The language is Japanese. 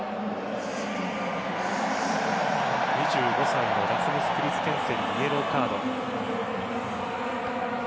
２５歳のラスムス・クリステンセンにイエローカード。